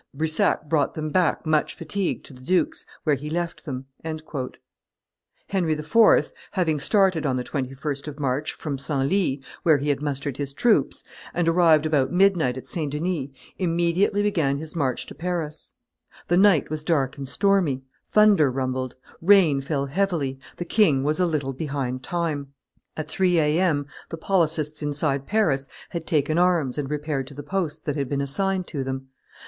Brissac brought them back much fatigued to the duke's, where he left them." Henry IV., having started on the 21st of March from Senlis, where he had mustered his troops, and arrived about midnight at St. Denis, immediately began his march to Paris. The night was dark and stormy; thunder rumbled; rain fell heavily; the king was a little behind time. At three A. M.. the policists inside Paris had taken arms and repaired to the posts that had been assigned to them.